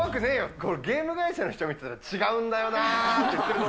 これ、ゲーム会社の人見てたら、違うんだよなって。